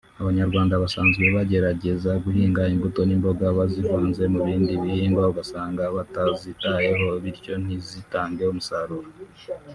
Abanyarwanda basanzwe bagerageza guhinga imbuto n’imboga bazivanze mu bindi bihingwa ugasanga batazitayeho bityo ntizitange umusaruro